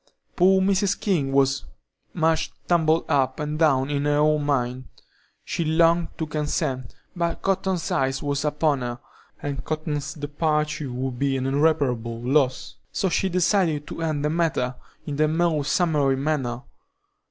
Poor Mrs. King was "much tumbled up and down in her own mind;" she longed to consent, but Cotton's eye was upon her, and Cotton's departure would be an irreparable loss, so she decided to end the matter in the most summary manner.